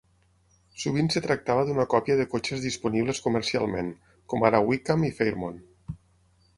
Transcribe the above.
Sovint es tractava d'una còpia de cotxes disponibles comercialment, com ara Wickham i Fairmont.